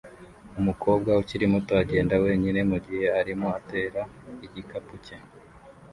Umukobwa ukiri muto agenda wenyine mugihe arimo atera igikapu cye